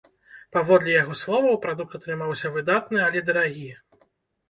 Паводле яго словаў, прадукт атрымаўся выдатны, але дарагі.